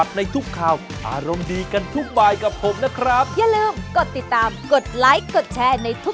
รายการต่อไปข่าวเย็นแทนรัฐรออยู่